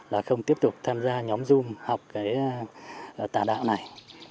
là không tiếp tục tham gia nhóm dung học cái tà đạo này